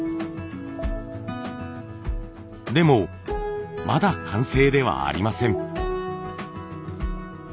でもまだ完成ではありません。